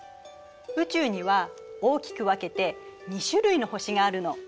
宇宙には大きく分けて２種類の星があるの。